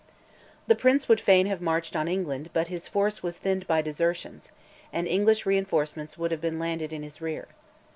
The Prince would fain have marched on England, but his force was thinned by desertions, and English reinforcements would have been landed in his rear.